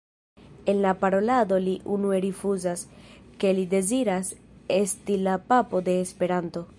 En la parolado li unue rifuzas, ke li deziras esti la Papo de Esperanto.